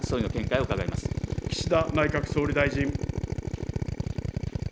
ま岸田内閣総理大臣。